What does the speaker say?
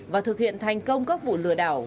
và thực hiện thành công các vụ lừa đảo